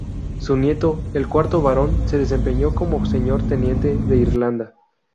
Su nieto, el cuarto barón, se desempeñó como señor-teniente de Irlanda.